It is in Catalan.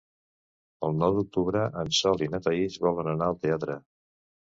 El nou d'octubre en Sol i na Thaís volen anar al teatre.